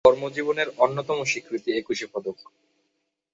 তার কর্মজীবনের অন্যতম স্বীকৃতি একুশে পদক।